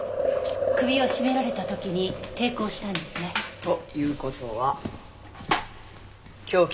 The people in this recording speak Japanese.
首を絞められた時に抵抗したんですね。という事は凶器に触れた可能性がある。